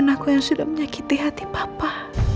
aku udah pikir apa